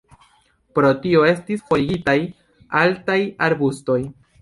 Pro tio estis forigitaj altaj arbustoj.